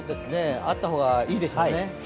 あった方がいいですね。